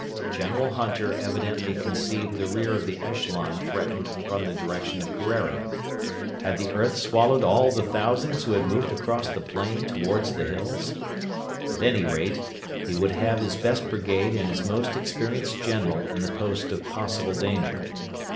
General Hunter evidently conceived the rear of the echelon threatened from the direction of Kerreri. Had the earth swallowed all the thousands who had moved across the plain towards the hills? At any rate, he would have his best brigade and his most experienced general in the post of possible danger.